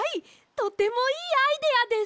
とてもいいアイデアです！